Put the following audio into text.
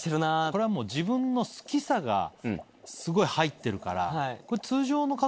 これはもう自分の好きさがすごい入ってるから。